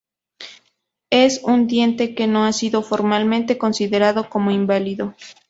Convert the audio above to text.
Es un diente que no ha sido formalmente considerado como inválido.